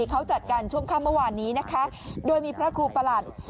เขาจัดการช่วงค่ะเมื่อวานมีพระครูปราชน์